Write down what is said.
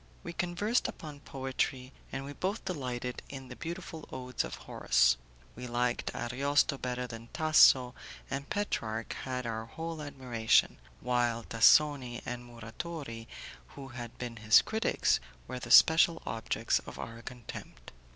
We conversed upon poetry, and we both delighted in the beautiful odes of Horace. We liked Ariosto better than Tasso, and Petrarch had our whole admiration, while Tassoni and Muratori, who had been his critics, were the special objects of our contempt.